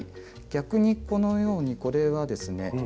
逆にこのようにこれはですね